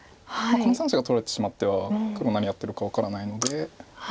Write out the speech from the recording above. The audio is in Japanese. この３子が取られてしまっては黒何やってるか分からないので。